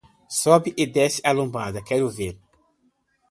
Sobe e desce a lomba, quero ver